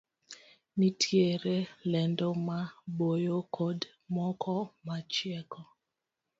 Nitiere lendo ma boyo kod moko ma chieko.